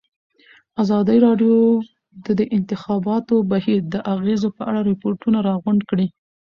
ازادي راډیو د د انتخاباتو بهیر د اغېزو په اړه ریپوټونه راغونډ کړي.